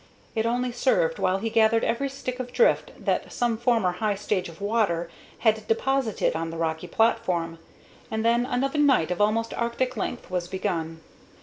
It only served while he gathered every stick of drift that some former high stage of water had deposited on the rocky platform, and then another night of almost arctic length was begun.